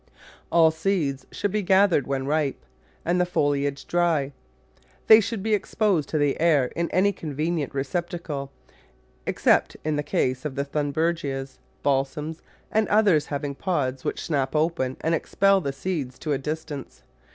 All seeds should be gathered when ripe and the foliage dry. They should be exposed to the air in any convenient receptacle, except in the case of the Thunbergias, Balsams, and others having pods which snap open and expel the seeds to a distance.